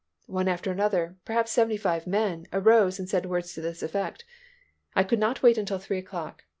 One after another, perhaps seventy five men, arose and said words to this effect, "I could not wait until three o'clock.